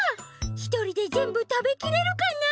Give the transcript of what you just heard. ひとりでぜんぶたべきれるかなあ？